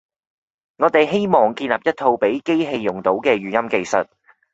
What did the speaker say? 我哋希望建立一套畀機器用到嘅語音技術